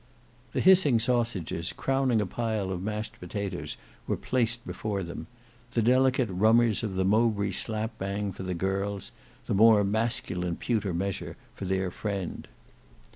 The hissing sausages crowning a pile of mashed potatoes were placed before them; the delicate rummers of the Mowbray slap bang, for the girls; the more masculine pewter measure for their friend.